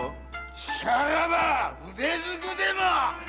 しからば腕ずくでも！